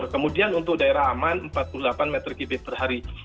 kemudian untuk daerah aman empat puluh delapan meter kubit per hari